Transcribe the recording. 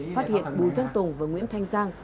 phát hiện bùi văn tùng và nguyễn thanh giang